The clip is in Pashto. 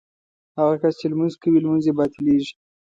هغه کس چې لمونځ کوي لمونځ یې باطلېږي.